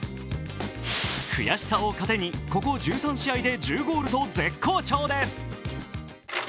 悔しさを糧にここ１３試合で１０ゴールと絶好調です。